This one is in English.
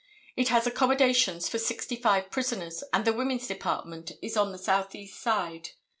It has accommodations for sixty five prisoners, and the women's department is on the southeast side.